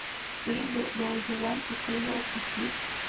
Lilly, Do You Want to Know a Secret?